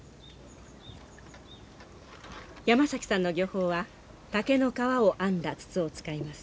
山崎さんの漁法は竹の皮を編んだ筒を使います。